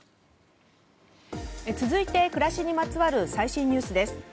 続いて、暮らしにまつわる最新ニュースです。